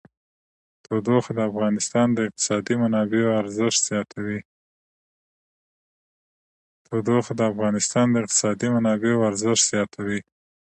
تودوخه د افغانستان د اقتصادي منابعو ارزښت زیاتوي.